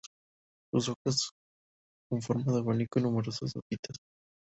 Sus hojas son con forma de abanico y numerosas hojitas.